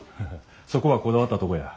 そこはこだわったとこや。